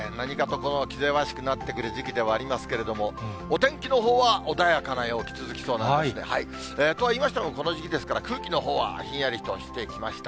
この気ぜわしくなってくる時期ではありますけれども、お天気のほうは穏やかな陽気続きそうなんですね。とは言いましても、この時期ですから、空気のほうはひんやりとしてきました。